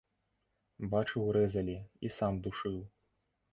Бачыў, рэзалі, і сам душыў.